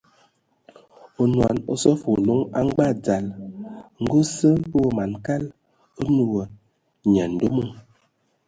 Onɔn o sɔ wa loŋ a ngbag dzal, ngə o sə wa man kal, o nə wa nyandomo.